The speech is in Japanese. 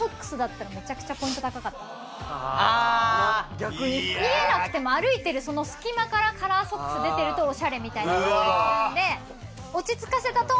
逆にっすか⁉見えなくても歩いてるその隙間からカラーソックス出てるとおしゃれみたいな感じするんで。